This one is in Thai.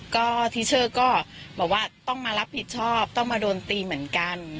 ก็ทีเชอร์ก็บอกว่าต้องมารับผิดชอบต้องมาโดนตีเหมือนกัน